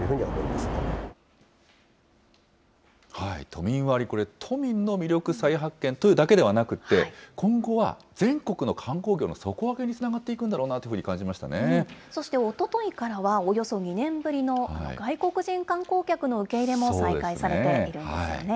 都民割、これ、都民の魅力再発見というだけではなくて、今後は全国の観光業の底上げにつながっていくんだろうなというふそしておとといからは、およそ２年ぶりの外国人観光客の受け入れも再開されているんですよね。